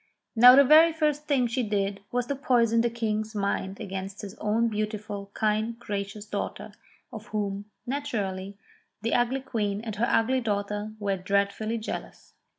Now the very first thing she did was to poison the King's mind against his own beautiful, kind, gracious daughter, of whom, naturally, the ugly queen and her ugly daughter were dread fully jealous.